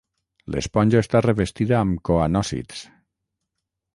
L'esponja està revestida amb coanòcits.